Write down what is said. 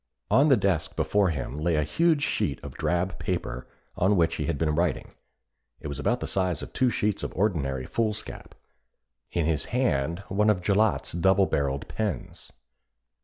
On the desk before him lay a huge sheet of drab paper on which he had been writing it was about the size of two sheets of ordinary foolscap; in his hand one of Gillott's double barrelled pens.